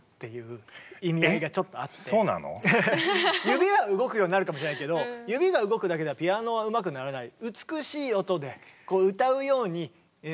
指は動くようになるかもしれないけど指が動くだけではピアノはうまくならない。